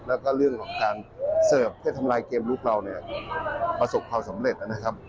แล้วก็เรื่องของการเสิร์ฟเพื่อทำลายเกมลุกเราเนี่ยประสบความสำเร็จนะครับ